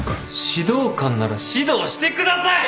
指導官なら指導してください！